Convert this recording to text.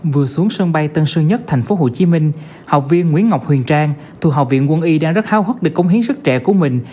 vừa xuống sân bay tân sơn nhất thành phố hồ chí minh học viên nguyễn ngọc huyền trang thu học viện quân y đang rất hao hức để cống hiến sức trẻ của mình